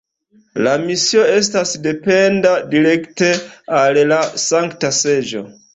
La misio estas dependa direkte al la Sankta Seĝo.